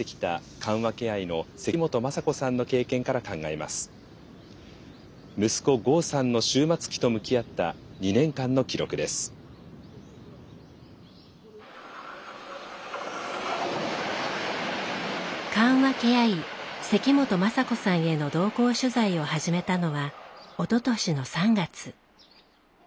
緩和ケア医関本雅子さんへの同行取材を始めたのはおととしの３月。